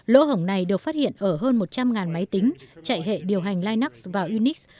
lỗ hổng này được phát hiện ở hơn một trăm linh máy tính chạy hệ điều hành linax và unis